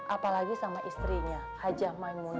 apalagi sama istrinya haji maimunah